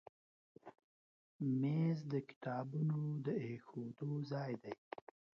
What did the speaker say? مېز د کتابونو د ایښودو ځای دی.